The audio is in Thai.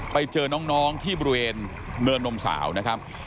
ไปเจอน้องที่บริเวณเนินนมสาวนะครับ